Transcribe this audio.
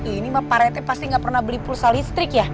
ini parete pasti nggak pernah beli pulsa listrik ya